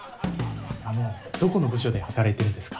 あのどこの部署で働いてるんですか？